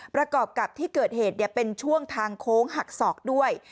ประกอบกับที่เกิดเหตุเป็นช่วงทางโค้งหักศอกด้วย